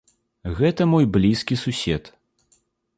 Гэта мой блізкі сусед.